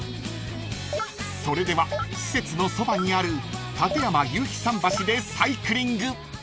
［それでは施設のそばにある館山夕日桟橋でサイクリング］